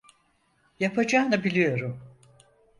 Yapacağını biliyorum.